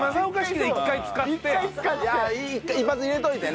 １回使って。